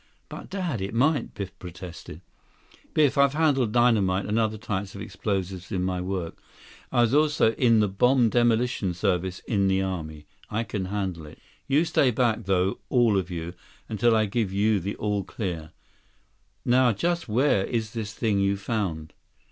"But, Dad, it might," Biff protested. "Biff, I've handled dynamite and other types of explosives in my work. I was also in the bomb demolition service in the army. I can handle it. You stay back, though, all of you, until I give you an all clear. Now just where is this thing you found?"